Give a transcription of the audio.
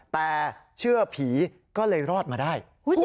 แต่เชื่อผีก็เลยรอดมาได้